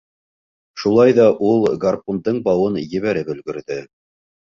Шулай ҙа ул гарпундың бауын ебәреп өлгөрҙө.